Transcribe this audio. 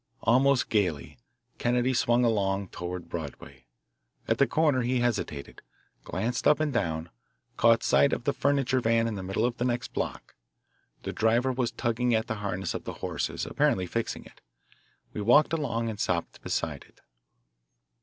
Almost gaily Kennedy swung along toward Broadway. At the corner he hesitated, glanced up and down, caught sight of the furniture van in the middle of the next block. The driver was tugging at the harness of the horses, apparently fixing it. We walked along and stopped beside it.